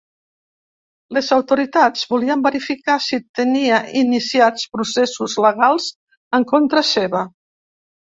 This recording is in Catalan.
Les autoritats volien verificar si tenia iniciats processos legals en contra seva.